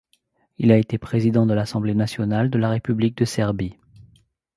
Il a été président de l'Assemblée nationale de la République de Serbie.